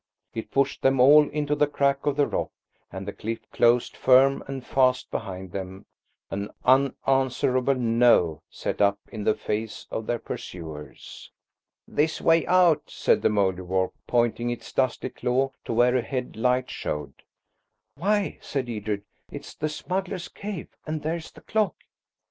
It pushed them all into the crack of the rock, and the cliff closed firm and fast behind them, an unanswerable "No" set up in the face of their pursuers. "This way out," said the Mouldiwarp, pointing its dusty claw to where ahead light showed. "Why," said Edred, "it's the smuggler's cave–and there's the clock!"